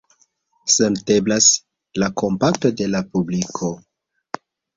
Senteblas la kompato de la publiko.